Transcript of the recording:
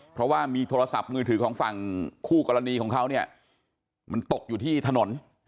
เพราะว่ามีโทรศัพท์มือถือของฝั่งคู่กรณีของเขาเนี่ยมันตกอยู่ที่ถนน